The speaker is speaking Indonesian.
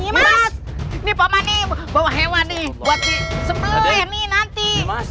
ini paman ini bawa hewan nih buat semua ini nanti